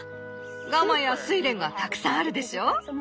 ガマやスイレンがたくさんあるでしょ。